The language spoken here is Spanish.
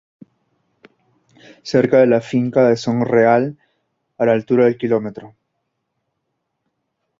Cerca de la finca de Son Real, a la altura del Km.